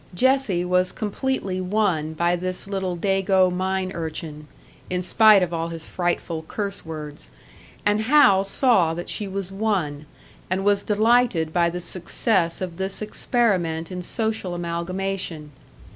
Jessie was completely won by this little Dago mine urchin, in spite of all his frightful curse words; and Hal saw that she was won, and was delighted by the success of this experiment in social amalgamation.